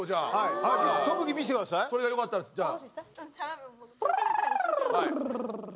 それがよかったらじゃあ。